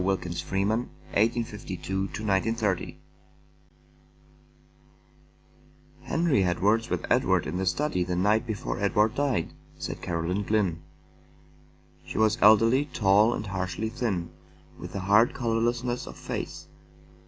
Wilkins Freeman The Shadows on the Wall T T ENRY had words with Edward in the study the night before Edward died," said Caroline Glynn. She was elderly, tall, and harshly thin, with a hard color lessness of face.